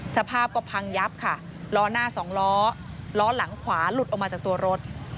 สภาพก็พังยับค่ะล้อหน้าสองล้อล้อหลังขวาหลุดออกมาจากตัวรถ